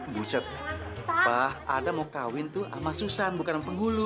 bucap pak ada mau kawin tuh ama susan bukan penggulu